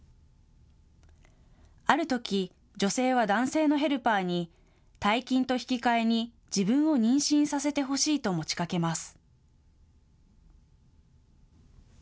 あるとき女性は男性のヘルパーに大金と引き換えに自分を妊娠させてほしいと持ちかけます。